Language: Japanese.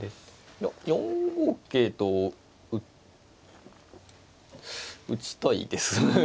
いや４五桂と打ちたいですが。